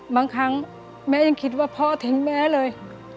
บางครั้งแม่ยังคิดว่าพ่อทิ้งแม่เลย